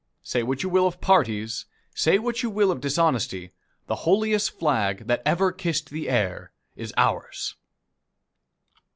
Say what you will of parties, say what you will of dishonesty, the holiest flag that ever kissed the air is ours!